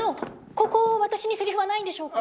ここ私にセリフはないんでしょうか？